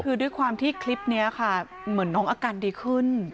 คือด้วยความที่คลิปนี้ค่ะเหมือนน้องอาการดีขึ้น